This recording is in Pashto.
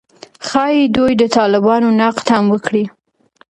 ښايي دوی د طالبانو نقد هم وکړي